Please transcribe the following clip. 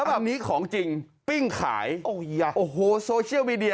แบบนี้ของจริงปิ้งขายโอ้โหโซเชียลมีเดีย